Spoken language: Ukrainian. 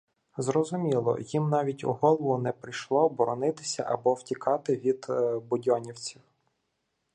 Зрозуміло, їм навіть у голову не прийшло боронитися або втікати від будьонівців.